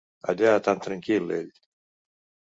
Allà tan tranquil, ell.